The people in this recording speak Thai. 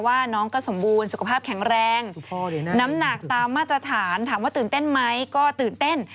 ว่าน้องก็สมบูรณ์สุขภาพแข็งแรงน้ำหนักตามมาตรฐานถามว่าตื่นเต้นไหมก็ตื่นเต้น